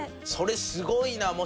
それすごいな。